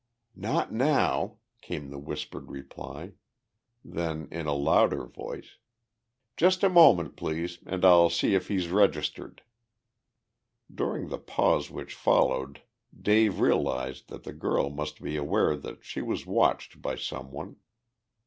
"Not now," came the whispered reply. Then, in a louder voice, "Just a moment, please, and I'll see if he's registered." During the pause which followed Dave realized that the girl must be aware that she was watched by some one.